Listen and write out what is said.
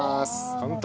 簡単！